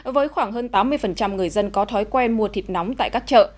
với khoảng hơn tám mươi người dân có thói quen mua thịt nóng tại các chợ